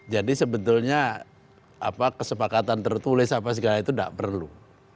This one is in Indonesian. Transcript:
jadi sebetulnya kesepakatan tertulis apa segala itu tidak perlu